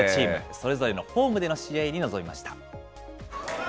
それぞれのホームでの試合に臨みました。